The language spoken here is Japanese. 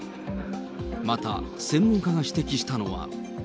また、専門家が指摘したのは。